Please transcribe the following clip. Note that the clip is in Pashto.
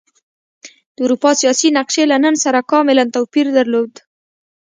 د اروپا سیاسي نقشې له نن سره کاملا توپیر درلود.